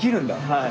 はい。